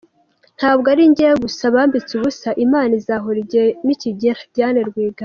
Ntabwo ari njyewe gusa bambitse ubusa …Imana izahora igihe nikigera” Diane Rwigara .